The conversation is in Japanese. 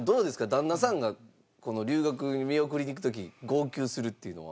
旦那さんが留学見送りに行く時号泣するっていうのは。